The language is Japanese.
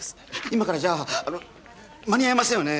今からじゃあの間に合いませんよね？